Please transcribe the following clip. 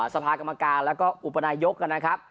สภากรรมการแล้วก็อุปนายกนะครับ